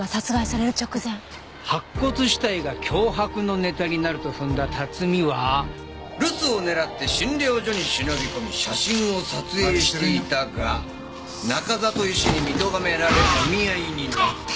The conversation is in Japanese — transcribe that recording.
白骨死体が脅迫のネタになると踏んだ辰巳は留守を狙って診療所に忍び込み写真を撮影していたが中里医師に見とがめられもみ合いになった。